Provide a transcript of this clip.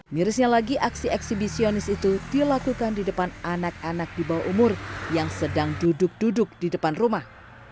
mirisnya lagi aksi eksibisionis itu dilakukan di depan anak anak di bawah umur yang sedang duduk duduk di depan rumah